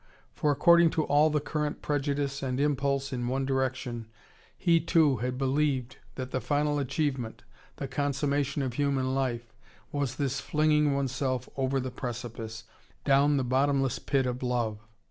For, according to all the current prejudice and impulse in one direction, he too had believed that the final achievement, the consummation of human life, was this flinging oneself over the precipice, down the bottomless pit of love.